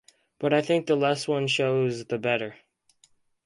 But I think the less one shows the better.